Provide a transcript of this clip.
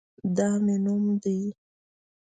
دا مې نوم ده